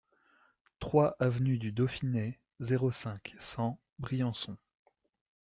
trois avenue du Dauphiné, zéro cinq, cent, Briançon